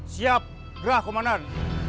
siap gerah kumanan